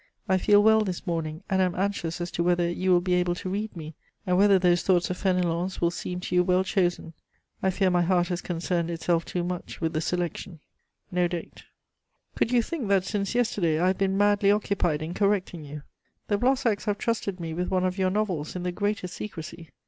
I feel well this morning and am anxious as to whether you will be able to read me, and whether those thoughts of Fénelon's will seem to you well chosen. I fear my heart has concerned itself too much with the selection." (No date.) "Could you think that since yesterday I have been madly occupied in correcting you? The Blossacs have trusted me with one of your novels in the greatest secrecy.